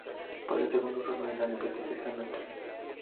Por el segundo sólo hay la investigación sobre el terreno.